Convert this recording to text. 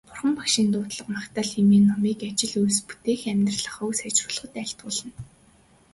Бурхан Багшийн дуудлага магтаал хэмээх номыг ажил үйлс бүтээх, амьдрал ахуйг сайжруулахад айлтгуулна.